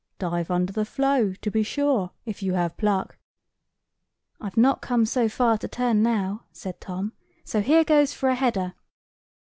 "Dive under the floe, to be sure, if you have pluck." "I've not come so far to turn now," said Tom; "so here goes for a header."